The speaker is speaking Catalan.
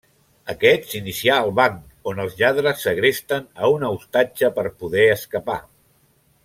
Aquest s'inicia al banc on els lladres segresten a una ostatge per poder escapar.